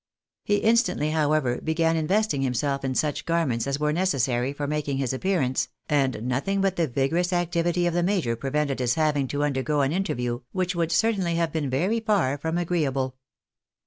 He instantly, however, began investing himself in such garments as were necessary for making his appearance, and nothing but the vigorous activity of the major presented his having to undergo an interview which would certainly have been very far from agreeable.